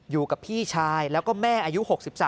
อยู่กับพี่ชายแล้วก็แม่อายุ๖๓